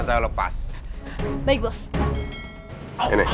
sampai kamu akui semuanya